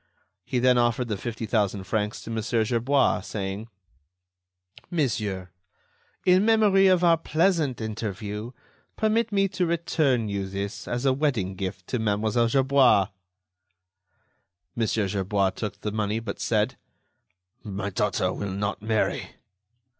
He then offered the fifty thousand francs to Mon. Gerbois, saying: "Monsieur, in memory of our pleasant interview, permit me to return you this as a wedding gift to Mlle. Gerbois." Mon. Gerbois took the money, but said: "My daughter will not marry."